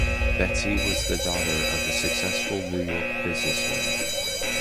Betsy was the daughter of a successful New York businessman.